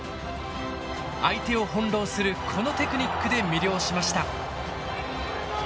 相手を翻弄するこのテクニックで魅了しました。